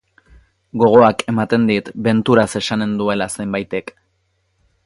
Gogoak ematen dit, benturaz esanen duela zenbaitek